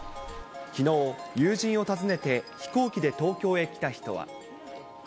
きのう、友人を訪ねて飛行機で東京へ来た人は。